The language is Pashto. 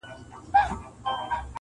بس کارونه وه د خدای حاکم د ښار سو,